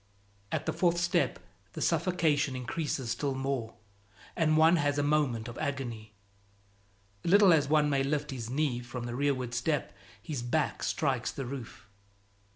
At the fourth step the suffocation increases still more and one has a moment of agony; little as one may lift his knee for the rearward step, his back strikes the roof.